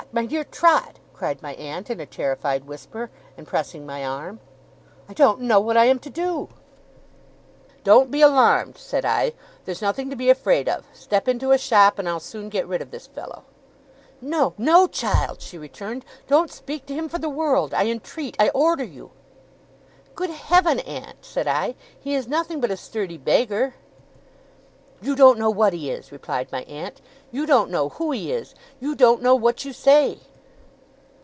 My dear Trot!' cried my aunt, in a terrified whisper, and pressing my arm. 'I don't know what I am to do.' 'Don't be alarmed,' said I. 'There's nothing to be afraid of. Step into a shop, and I'll soon get rid of this fellow.' 'No, no, child!' she returned. 'Don't speak to him for the world. I entreat, I order you!' 'Good Heaven, aunt!' said I. 'He is nothing but a sturdy beggar.' 'You don't know what he is!' replied my aunt. 'You don't know who he is! You don't know what you say!